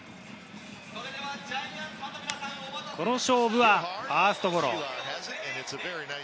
この勝負はファーストゴロ。